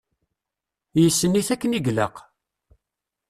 Yessen-it akken i ilaq.